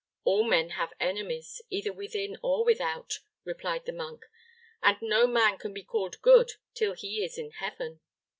"All men have enemies, either within or without," replied the monk; "and no man can be called good till he is in heaven.